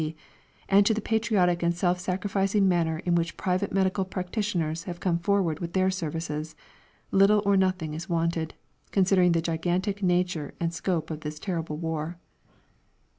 C, and to the patriotic and self sacrificing manner in which private medical practitioners have come forward with their services, little or nothing is wanted, considering the gigantic nature and scope of this terrible war.